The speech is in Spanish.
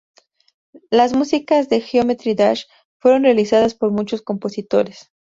Las músicas de "Geometry Dash" fueron realizadas por muchos compositores.